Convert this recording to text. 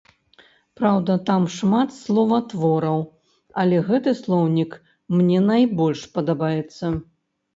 Праўда, там шмат словатвораў, але гэты слоўнік мне найбольш падабаецца.